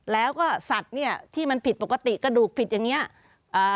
แล้วก็สัตว์เนี้ยที่มันผิดปกติกระดูกผิดอย่างเงี้ยอ่า